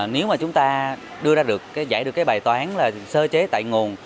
nếu mà chúng ta giải được bài toán là sơ chế tại nguồn